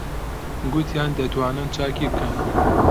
گوتیان دەتوانن چاکی بکەن.